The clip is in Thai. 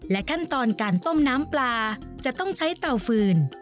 ขั้นตอนการต้มน้ำปลาจะต้องใช้เตาฟืน